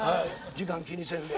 時間気にせずで。